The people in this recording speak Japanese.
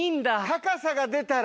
高さが出たら。